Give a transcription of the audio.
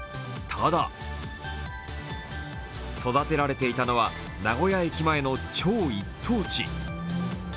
ただ育てられていたのは名古屋駅前の超一等地。